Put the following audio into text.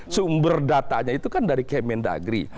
sumber datanya itu kan dari kemen dagri